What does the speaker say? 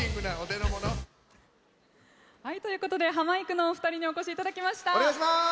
ハマいくのお二人にお越しいただきました。